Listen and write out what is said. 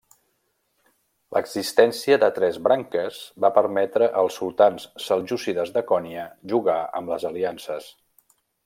L'existència de tres branques va permetre als sultans seljúcides de Konya jugar amb les aliances.